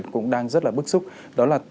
cũng đang rất là bức xúc đó là